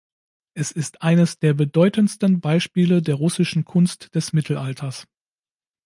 Es ist eines der bedeutendsten Beispiele der russischen Kunst des Mittelalters.